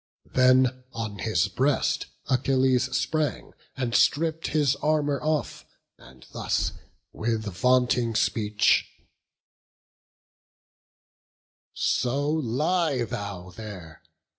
Then on his breast Achilles sprang, and stripp'd His armour off, and thus with vaunting speech: "So lie thou there!